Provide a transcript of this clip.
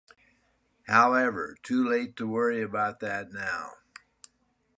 However, too late to worry about that now.